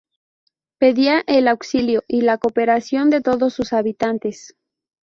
Pedía el auxilio y la cooperación de todos sus habitantes.